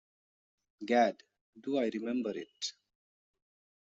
Gad, do I remember it.